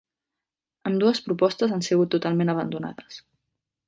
Ambdues propostes han sigut totalment abandonades.